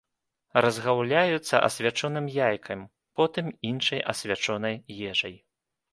Разгаўляюцца асвячоным яйкам, потым іншай асвячонай ежай.